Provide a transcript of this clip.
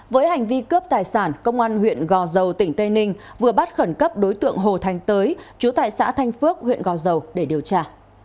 với hành vi cướp tài sản công an huyện gò dầu tỉnh tây ninh vừa bắt khẩn cấp đối tượng hồ thanh tới chú tại xã thanh phước huyện gò dầu để điều tra